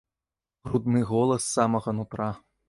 Грудны голас з самага нутра.